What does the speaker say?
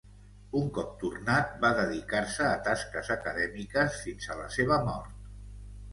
Un cop tornat, va dedicar-se a tasques acadèmiques fins a la seva mort.